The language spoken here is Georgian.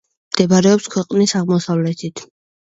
მდებარეობს ქვეყნის აღმოსავლეთით.